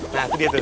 nah itu dia tuh